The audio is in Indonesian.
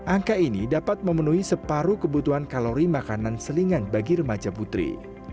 angka ini dapat memenuhi separuh kebutuhan kalori makanan selingan bagi remaja putri